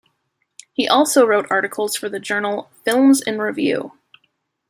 He also wrote articles for the journal "Films in Review".